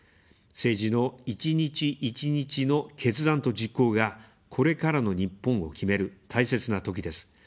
政治の一日一日の決断と実行が、これからの日本を決める、大切なときです。